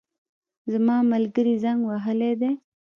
زما ملګري زنګ وهلی دی